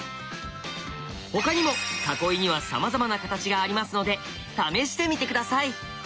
他にも囲いにはさまざまな形がありますので試してみて下さい。